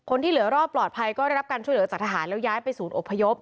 ที่เหลือรอดปลอดภัยก็ได้รับการช่วยเหลือจากทหารแล้วย้ายไปศูนย์อบพยพ